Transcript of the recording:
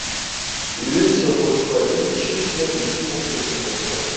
Иҩызцәа хәыҷқәа иҵашьыцны ишихәаԥшыц ихәаԥшуан.